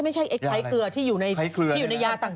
ไม่ใช่ไอ้ไครเกลือที่อยู่ในยาต่าง